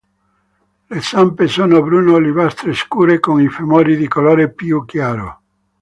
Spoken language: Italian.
Le zampe sono bruno olivastre scure con i femori di colore più chiaro.